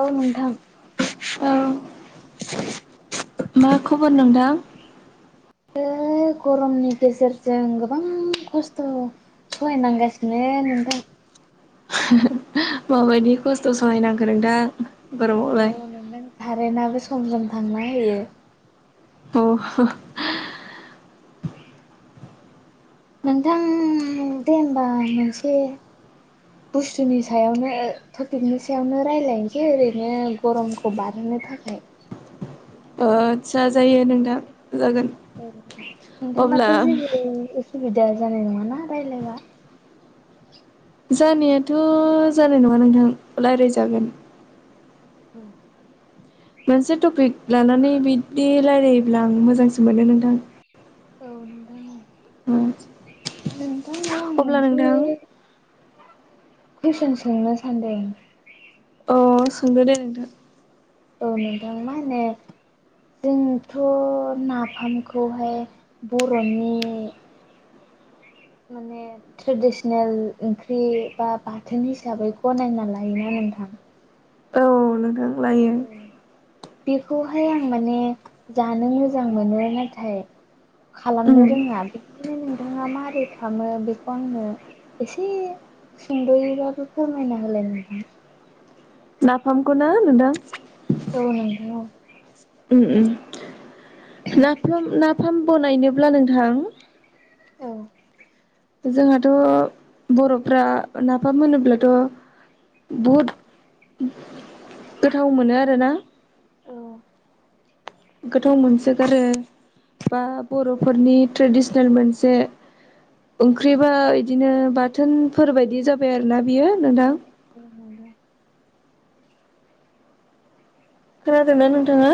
औ नोंथां। औ मा खबर नोंथां? बे गरमनि गेजेरजों गोबां खस्थ'। सहायनांगासिनो नोंथां। माबायदि खस्थ' सहायनांखो नोंथां औ गरमावलाय? कारेन्टआबो सम सम थांना होयो। अ नोंथां दे होमबा मोनसे बुस्थुनि सायावनो टपिकनि सायावनो रायजलायनोसै ओरैनो गरमखौ बारहोनो थाखाय। ओ आस्सा जायो नोंथां जागोन। ए नोंथां दाथ' अब्ला जेबो उसुबिदा जानाय नङाना रायलायबा। जानायाथ' जानाय नङा नोंथां रायज्लायजागोन। औ मोनसे टपिक लानानै बिदि रायलायोब्ला आं मोजांसो मोनो नोंथां। [unintelligible] उम नोंथांनाव आं मोनसे कुइसन सोंनो सानदों। अ सोंदो दे नोंथां। औ नोंथां मा होनो। जोंथ' नाफामखौहाय बर'नि माने ट्रेडिसनेल ओंख्रि बा बाथोन हिसाबै गनायना लायोना नोंथां। औ नोंथां। लायो बेखौहाय आं माने जानो मोजां मोनो नाथाय उम खालामनो रोङा बेनिखायनो नोंथाङा मारै खामो बेखौ आंनो एसे सुंद'यैबाबो फोरमायना होलाय नोंथां। नाफामखौना नोंथां। औ नोंथां औ उम उम नाफाम नाफाम बनायनोब्ला नोंथां औ जोंहाथ' बर'फ्रा नाफाम होनोब्लाथ' बुहुद गोथाव मोनो आरो ना। औ गोथाव मोनसोगारो बा बर'फोरनि ट्रेडिसनेल मोनसे ओंख्रिबा इदिनो बाथोनफोर बायदि जाबाय आरोना बियो नोंथां। औ नोंथां खोनादों ना नोंथाङा?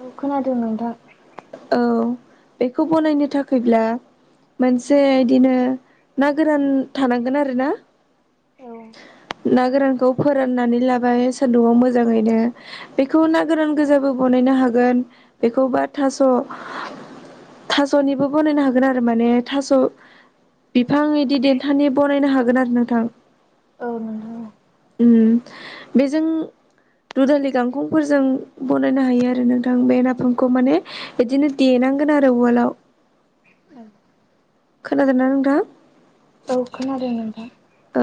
औ खोनादों नोंथां। औ बेखौ बनायनो थाखैब्ला मोनसे इदिनो ना गोरान थानांगोन आरो ना। औ ना गोरानखौ फोराननानै लाबाय सान्दुंआव मोजाङैनो बेखौ ना गोरान गोजाबो बनायनो हागोन बेखौ बा थास' थास'निबो बानायनो हागोन आरो माने थास' बिफां इदि देन्थानि बानायनो हागोन आरो नोंथां औ नोंथां औ उम बेजों दुधालि गांखंफोरजों बनायनो हायो आरो नोंथां बे नाफामखौ माने बिदिनो देनांगोन आरो उवालाव खोनादोना नोंथां? औ खोनादों नोंथां औ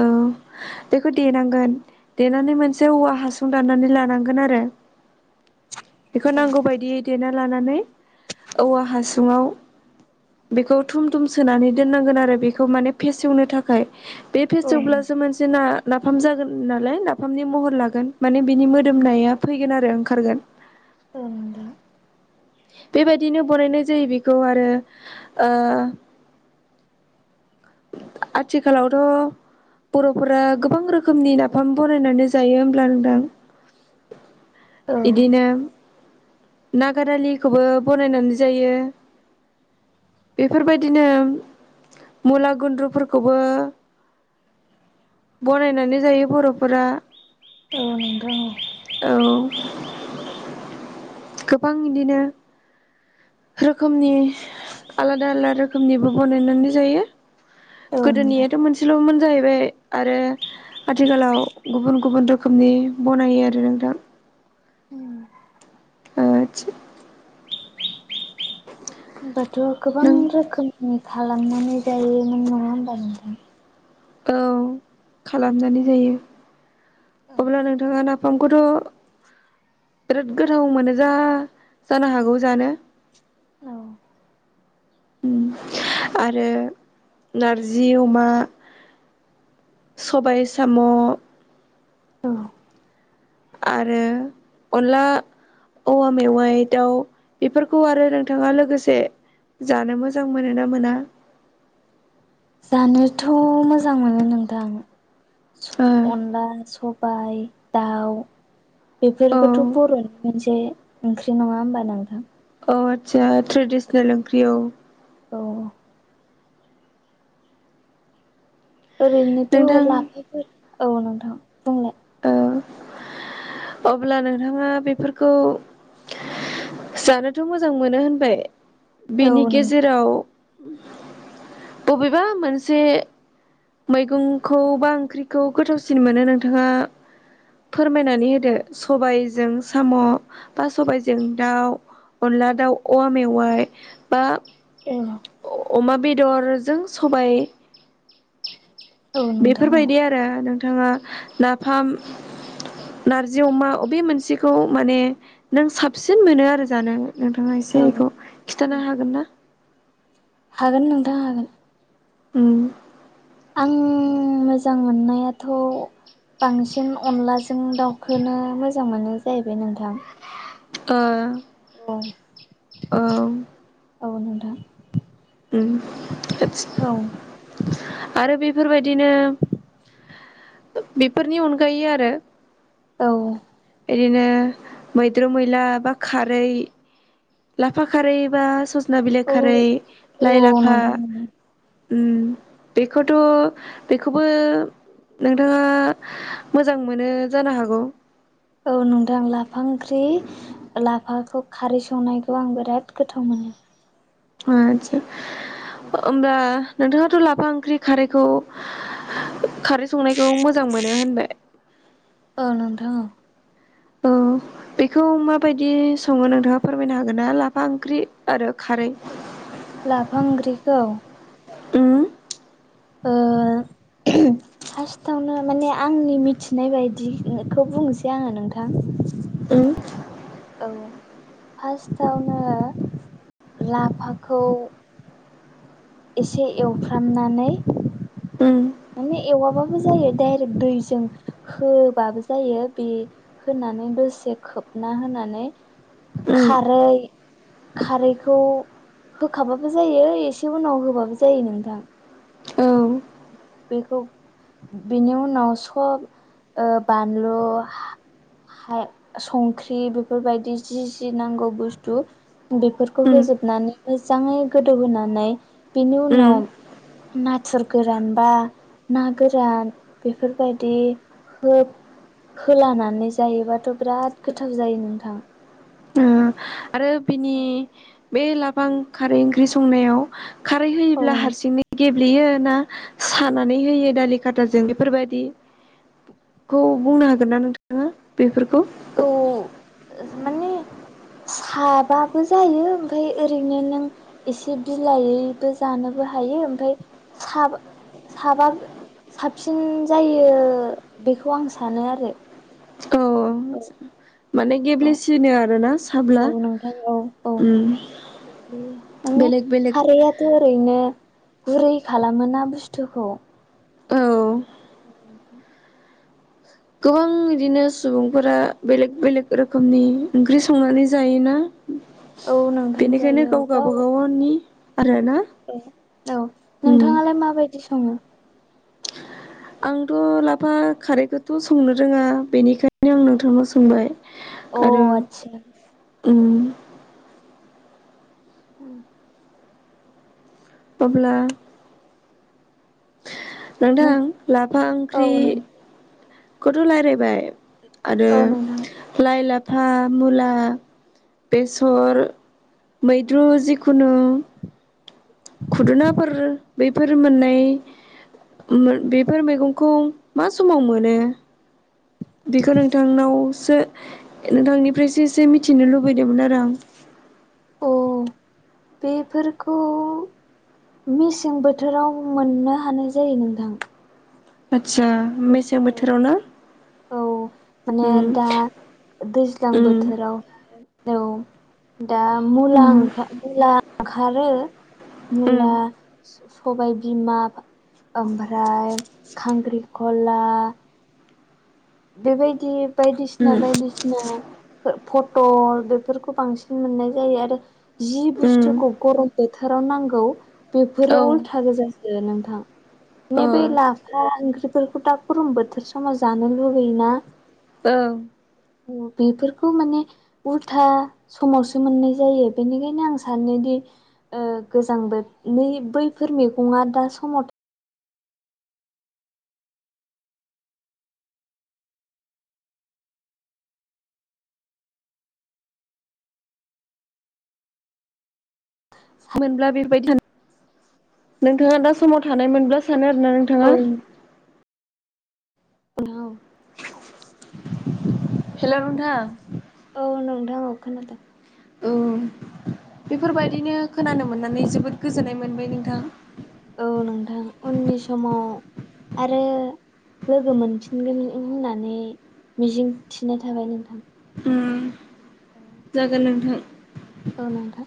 बेखौ देनांगोन देनानै मोनसे औवा हासुं दाननानै लानांगोन आरो बेखौ औ नांगौबायायदियै देना लानानै औवा हासुङाव। बेखौ थुम थुम सोनानै दोननांगोन आरो बेखौ माने फेसेवनो थाखाय बे फेसुकब्लासो मानसि ना नाफाम जागोन नालाय नाफामनि महर लागोन माने बिनि मोदोमनाया फैगोन आरो ओंखारगोन औ नोंथां बेबायदिनो बनायनाय जायो बेखौ आरो आ आथिखालावथ' बर'फोरा गोबां रोखोमनि नाफाम बनायनानै जायो होमब्ला नोंथां औ बिदिनो नागार आलिखौबो बनायनानै जायो। बेफोरबायदिनो मुला गुन्द्रुफोरखौबो बनायनानै जायो बर'फोरा औ नोंगौ औ गोबां इदिनो रोखोमनि आलादा आलादा रोखोमनिबो बनायनानै जायो। औ नोंथां गोदोनियाथ' मोन सेल'मोन जाहैबाय आरो आथिखालाव गुबुन गुबुन रोखोमनि बनायो आरो रो नोंथां [unintelligible] होमबाथ' गोबां नों रोखोमनि खालामनानै जायोमोन नङा होमबा नोंथां औ खालामनानै जायो। अब्ला नोंथाङा नाफामखौथ' बिराद गोथाव मोनो जा जानो हागौ जानो औ आरो नारजि अमा सबाय साम' औ आरो अनला औवा मेवाइ दाउ बेफोरखौ आरो नोंथाङा लोगोसे। जानो मोजां मोनो ना मोना जानोथ' मोजां मोनो नोंथां आ ओ अनला सबायाइ दाउ औ बेफोरबोथ' बर'नि मोनसे जे ओंख्रि नङा होमबा नोंथां। औ आदसा ट्रेडिसनेल ओंख्रि औ औ ओरैनोथ' नोंथां लाफाफोर औ नोंथां बुंलाय। औ अब्ला नोंथाङा बेफोरखौ जानोथ' मोजां मोनो होनबाय औ बेनि नोंथां गेजेराव बबेबा मोनसे मैगंखौ बा ओंख्रिखौ गोथावसिन मोनो नोंथाङा। फोरमायनानै होदो सबायजों साम' बा सबायजों दाउ अनला दाउ औवा मेवाय बा ए अमा बेदरजों सबाय औ नोंथां बेफोरबायदि आरो नोंथाङा नाफाम नारजि अमा बबे मोनसेखौ माने नों साबसिन मोनो आरो जानो नोंथाङा एसे औ औ बेखौ औ खिन्थानो हागोन ना हागोन नोंथां हागोन। उम आं मोजां मोननायाथ' बांसिन अनलाजों दाउखोनो मोजां मोनो जाहैबाय नोंथां। ओ औ औ-औ नोंथां आ औ आरो बेफोरबायदिनो। बेफोरनि अनगायै आरो औ बिदिनो मैद्रु मैला बा खारै लाफा खारै बा सजना बिलाइक औ खारै औ लाइ लाफा नोंथां बेखौथ' बेखौबो नोंथाङा मोजां मोनो जानो हागौ औ नोंथां लाफा ओंख्रि लाफाखौ खारै संनायखौ आं बिराद गोथाव मोनो आचसा होनोमब्ला नोंथाङाथ' लाफा ओंख्रि खारैखौ खारै संनायखौ मोजां मोनो होनबाय। औ नोंथां औ [unintelligible] बेखौ माबायदि सङो नोंथाङा फोरमायनो हागोन ना लाफा ओंख्रि आरो खारै लाफांग्रिखौ ओ ओ फार्स्टआवनो माने आंनि मिथिनाय बायदिखौ बुंनोसै आङो नोंथां उम औ फार्स्टआवनो लाफाखौ एसे एवफ्रामनानै उम माने एवाबाबो जायो डाइरेक्ट दैजों होबाबो जायो बे होनानै दसे खोबना होनानै उम खारै खारैखौ होखाबाबो जायो एसे उनाव होबाबो जायो नोंथां औ बेखौ बेनि उनाव सब बानलु हाय संख्रि बेफोरबायदि जि-जि नांगौ बुस्थु बेफोरखौ उम होजोबनानै मोजाङै गोदौहोनानै बेनि उम उनाव नाथुर गोरान बा ना गोरान बेफोरबायदि हो होलानानै जायोबाथ' बिराद गोथाव जायो नोंथां। ओ आरो बिनि बे लाफा खारै ओंख्रि संनायाव खारै औ होयोब्ला हारसिंनो गेब्लेयो ना सानानै होयो दालि खाथाजों बेफोरबायदि खौ बुंनो हागोन ना नोंथाङा बेफोरखौ औ माने साबाबो जायो ओमफ्राय ओरैनो नों एसे बिलायैबो जानोबो हायो ओमफ्राय खा साबा साबसिन जायो बेखौ आं सानो आरो औ माने औ गेब्लेसिनो आरोना साब्ला औ नोंथां औ औ उम माने बेलेग बेलेग खारैआथ' ओरैनो गुरै खालामोना बुस्थुखौ औ नोंथां गोबां बिदिनो सुबुंफोरा बेलेग-बेलेग रोखोमनि ओंख्रि संनानै जायोना। औ नोंथां बेनिखायनो जायो औ गाव गावाबा गावनि आरो ना ए औ नोंथाङालाय माबायदि सङो? आंथ' लाफा खारैखौथ' संनो रोङा बेनिखायनो आं नोंथांनाव सोंबाय अ आरो आदसा उम उम [inaudible] अब्ला नों नोंथां लाफा ओंख्रिखौथ' रायलायबाय आरो औ नोंथां लाइ लाफा मुला बेसर मैद्रु जिखुनु खुदुनाफोर बेफोर मोननाय बेफोर मैगंखौ मा समाव मोनो बेखौ नोंथांनावसो नोंथांनिफ्रायसो एसे मिथिनो लुबैदोंमोन आरो आं अ बेफोरखौ मेसें बोथोराव मोननो हानाय जायो नोंथां। आदसा मेसें औ बोथोराव ना औ माने उम दा दैज्लां उम बोथोराव औ दा मुला उम ओंखार मुला ओंखारो उम मुला सबाइ बिमा ओमफ्राय खांख्रिखला बेबायदि उम बायदिसिना-बायदिसिना फटल बेफोरखौ बांसिन मोननाय जायो आरो। जि उम बुस्थुखौ गरम बोथोराव नांगौ औ बेफोरो ओ उल्था गोजासो नोंथां। माने बे ओं लाफा ओंख्रिफोरखौ दा गरम बोथोर समाव जानो लु बैयोना अ' बेफोरखौ माने उल्था समावसो मोननाय जायो बेनिखायनो आं सानोदि ओ गोजांबो नि बैफोर मैगङा दा समा मोनब्ला [unintelligible] नोंथाङा दा समाव थानाय मोनब्ला सानो आरो ना औ नोंथाङा? औ हेल' नोंथां औ नोंथां औ खोनादों। औ बेफोरबायदिनो खोनानो मोननानै जोबोद गोजोननाय मोनबाय नोंथां औ नोंथां उननि समाव आरो लोगो मोनफिनगोन होननानै मिजिं थिनाय थाबाय नोंथां। उम जागोन नोंथां। औ नोंथां।